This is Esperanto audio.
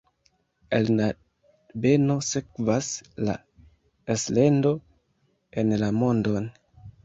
El la beno sekvas la elsendo en la mondon.